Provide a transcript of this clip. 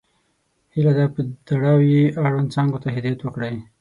هیله ده په تړاو یې اړوند څانګو ته هدایت وکړئ.